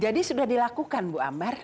jadi sudah dilakukan bu ambar